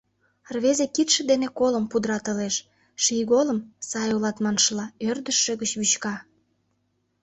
Рвезе кидше дене колым пудыратылеш, шийголым, сай улат маншыла, ӧрдыжшӧ гыч вӱчка.